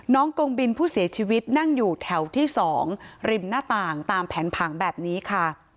กงบินผู้เสียชีวิตนั่งอยู่แถวที่๒ริมหน้าต่างตามแผนผังแบบนี้ค่ะ